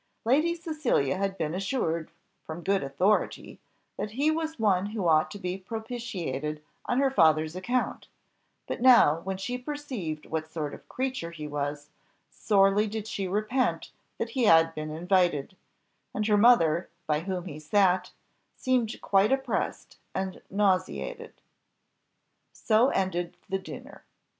Lady Cecilia had been assured, from good authority, that he was one who ought to be propitiated on her father's account, but now, when she perceived what sort of creature he was, sorely did she repent that he had been invited; and her mother, by whom he sat, seemed quite oppressed and nauseated. So ended the dinner.